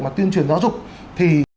mà tuyên truyền giáo dục thì